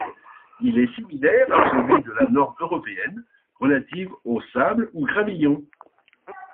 Il est similaire à celui de la norme européenne relative aux sables ou gravillons.